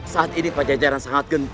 saat ini pajajaran sangat genting